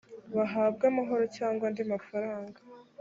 bahabwe amahoro cyangwa andi mafaranga